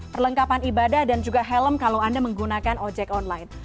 perlengkapan ibadah dan juga helm kalau anda menggunakan ojek online